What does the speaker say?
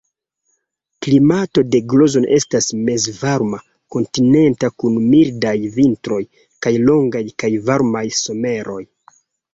Klimato de Grozno estas mezvarma kontinenta kun mildaj vintroj kaj longaj kaj varmaj someroj.